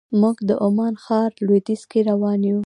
موږ د عمان ښار لویدیځ کې روان یو.